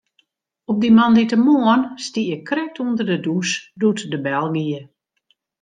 Op dy moandeitemoarn stie ik krekt ûnder de dûs doe't de bel gie.